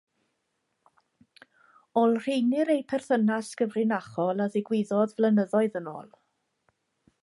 Olrheinir eu perthynas gyfrinachol a ddigwyddodd flynyddoedd yn ôl.